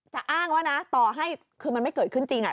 อ้างว่านะต่อให้คือมันไม่เกิดขึ้นจริง